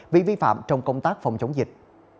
vì vi phạm trong công tác phòng chống dịch